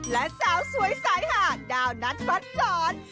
และสาวสวยสายหาดาวนัทฟัดสอน